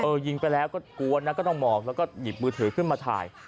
ยิงไปแล้วก็กวนนะก็ต้องมองแล้วก็หยิบมือถือขึ้นมาถ่าย